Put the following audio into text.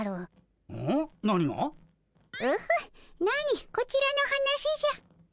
なにこちらの話じゃ。